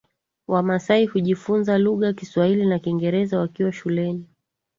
Wamasai hujifunza lugha kiswahili na kingeraza wakiwa shuleni